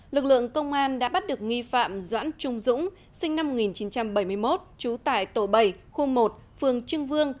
lực lượng công an đã bắt được nghi phạm doãn trung dũng sinh năm một nghìn chín trăm bảy mươi một trú tại tổ bảy khu một phường trưng vương